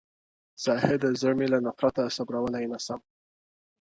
زاهده زړه مي له نفرته صبرولای نه سم -